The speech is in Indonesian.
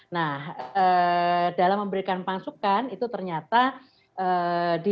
nah dalam memberikan masukan itu ternyata diminta untuk melakukan penyidik